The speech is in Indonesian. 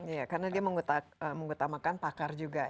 iya karena dia mengutamakan pakar juga